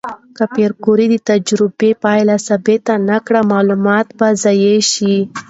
که پېیر کوري د تجربې پایله ثبت نه کړي، معلومات به ضایع شي.